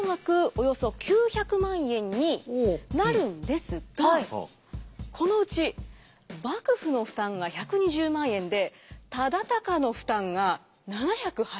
およそ９００万円になるんですがこのうち幕府の負担が１２０万円で忠敬の負担が７８０万円なんです。